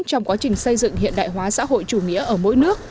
trong quá trình xây dựng hiện đại hóa xã hội chủ nghĩa ở mỗi nước